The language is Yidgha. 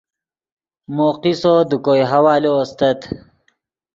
مو قصو دے کوئے حوالو استت